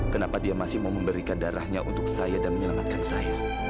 kenapa dia masih mau memberikan darahnya untuk saya dan menyelamatkan saya